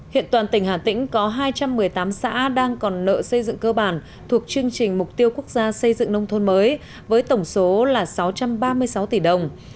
hiện toàn tỉnh hà tĩnh có hai trăm một mươi tám xã đang còn nợ xây dựng cơ bản thuộc chương trình mục tiêu quốc gia xây dựng nông thôn mới với tổng số là sáu trăm ba mươi sáu tỷ đồng